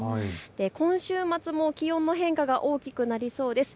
今週末も気温の変化が大きくなりそうです。